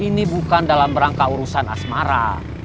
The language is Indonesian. ini bukan dalam rangka urusan asmara